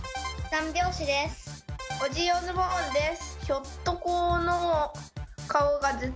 三拍子です。